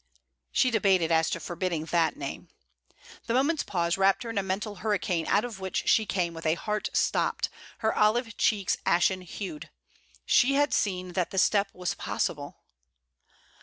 She debated as to forbidding that name. The moment's pause wrapped her in a mental hurricane, out of which she came with a heart stopped, her olive cheeks ashen hued. She had seen that the step was possible.